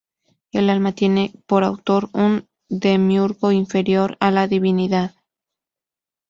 El alma tiene por autor un demiurgo inferior a la divinidad.